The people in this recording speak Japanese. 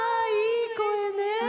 いい声ね。